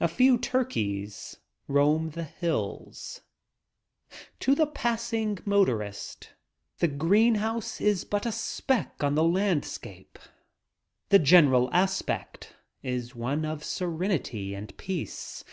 A few turkeys roam the hills. To the passing motorist the green house is but a speck on the landscape. The general aspect is one of serenity and peace.